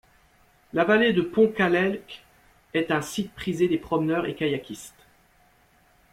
La vallée de Pontcallec est un site prisé des promeneurs et des kayakistes.